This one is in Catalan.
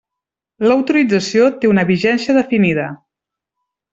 L'autorització té una vigència definida.